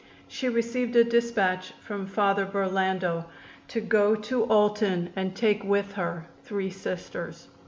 She received a dispatch from Father Burlando to go to Alton and take with her three Sisters.